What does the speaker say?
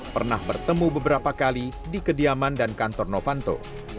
pernah bertemu beberapa kali di kediaman dan kantor novanto